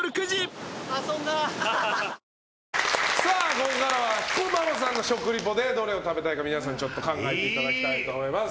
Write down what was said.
ここからは彦摩呂さんの食リポでどれを食べたいか皆さん考えていただきたいと思います。